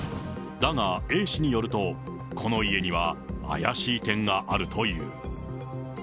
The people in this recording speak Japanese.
だがＡ氏によると、この家には怪しい点があるという。